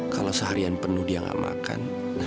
kalau seharian penuh dia gak makan